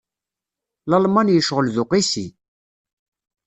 Lalman yecɣel d uqisi.